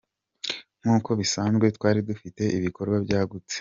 Nkuko bisanzwe twari dufite ibikorwa byagutse.